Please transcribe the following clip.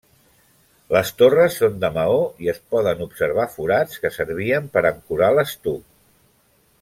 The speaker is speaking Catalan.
Les torres són de maó i es poden observar forats que servien per ancorar l'estuc.